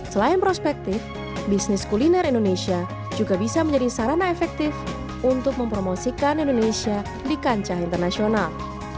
selain prospektif bisnis kuliner indonesia juga bisa menjadi sarana efektif untuk mempromosikan indonesia di kancah internasional